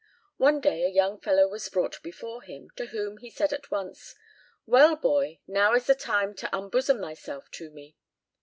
One day a young fellow was brought before him, to whom he said at once, "Well, boy, now is the time to unbosom thyself to me.